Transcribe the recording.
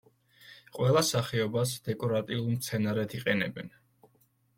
ყველა სახეობას დეკორატიულ მცენარედ იყენებენ.